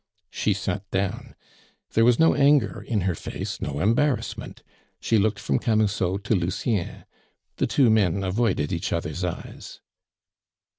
She sat down. There was no anger in her face, no embarrassment; she looked from Camusot to Lucien. The two men avoided each other's eyes.